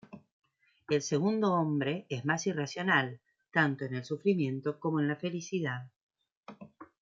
El segundo hombre, es más irracional, tanto en el sufrimiento como en la felicidad.